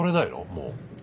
もう。